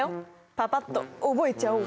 パパっと覚えちゃおう。